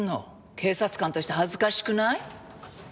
警察官として恥ずかしくない？